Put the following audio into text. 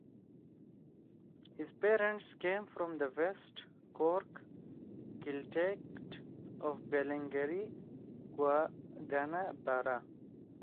His parents came from the West Cork Gaeltacht of Ballingeary-Gougane Barra.